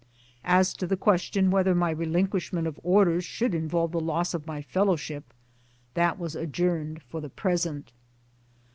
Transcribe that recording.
As to the question whether my relinquishment of Orders should involve the loss of my fellowship , that was adjourned for the present.